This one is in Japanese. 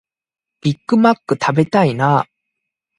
ビッグマック食べたいなあ